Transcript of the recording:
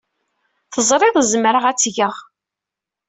Teẓriḍ zemreɣ ad tt-geɣ.